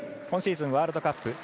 今シーズン、ワールドカップ